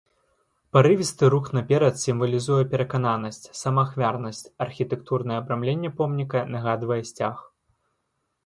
Парывісты рух наперад сімвалізуе перакананасць, самаахвярнасць, архітэктурнае абрамленне помніка нагадвае сцяг.